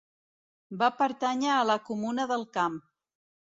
Va pertànyer a la Comuna del Camp.